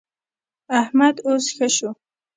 احمد اوس ښه شو.